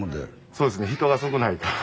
そうですね人が少ないから。